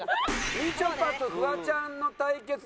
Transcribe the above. みちょぱとフワちゃんの対決だと。